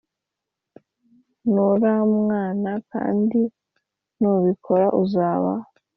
nuramwana kandi nubikora uzaba